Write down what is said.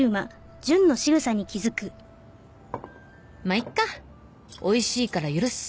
まあいっかおいしいから許す。